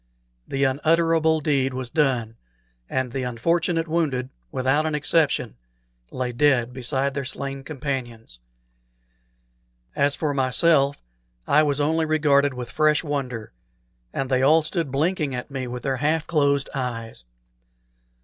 The unutterable deed was done, and the unfortunate wounded, without an exception, lay dead beside their slain companions. As for myself, I was only regarded with fresh wonder, and they all stood blinking at me with their half closed eyes.